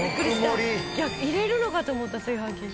「直盛り」「入れるのかと思った炊飯器に」